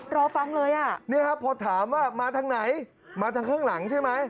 รอฟังเลยอ่ะเนี่ยครับพอถามว่ามาทางไหนมาทางข้างหลังใช่ไหม